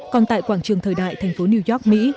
còn tại quảng trường thời đại thành phố new york mỹ